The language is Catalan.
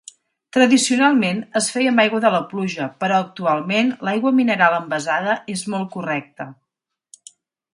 Tradicionalment es feia amb aigua de pluja però actualment l'aigua mineral envasada és molt correcte.